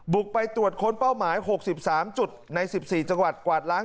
บุกไปตรวจค้นเป้าหมาย๖๓จุดใน๑๔จังหวัดกวาดล้าง